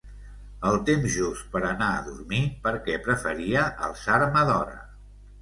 El temps just per a anar a dormir perquè preferia alçar-me d'hora.